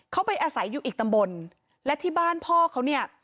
เขาไปอาศัยอยู่อีกตำบลและที่บ้านพ่อเขาเนี่ย